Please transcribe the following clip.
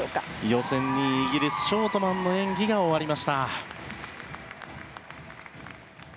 予選２位イギリス、ショートマンの演技が終わりました。